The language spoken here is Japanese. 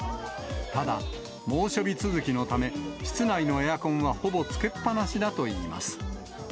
ただ、猛暑日続きのため、室内のエアコンはほぼつけっぱなしだといいます。